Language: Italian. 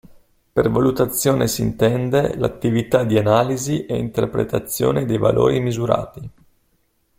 Per valutazione si intende l'attività di analisi e interpretazione dei valori misurati.